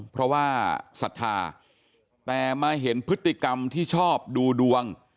เพราะว่าศรัทธาแต่มาเห็นพฤติกรรมที่ชอบดูดวง